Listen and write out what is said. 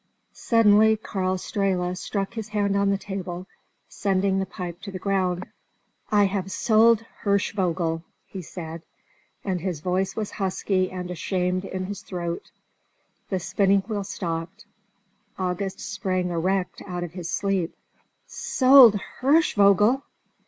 Suddenly Karl Strehla struck his hand on the table, sending the pipe to the ground. "I have sold Hirschvogel," he said; and his voice was husky and ashamed in his throat. The spinning wheel stopped. August sprang erect out of his sleep. "Sold Hirschvogel!"